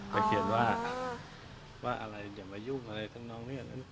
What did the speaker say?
เขียนว่าว่าอะไรอย่ามายุ่งอะไรทั้งน้องเนี่ย